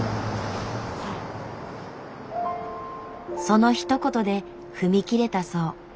そのひと言で踏み切れたそう。